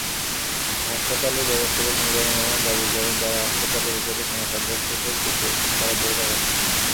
হাসপাতালের ব্যবস্থাপক মিজানুর রহমান দাবি করেন, যাঁরা হাসপাতালের ভেতরে সেনাসদস্যদের পিটিয়েছেন, তাঁরা বহিরাগত।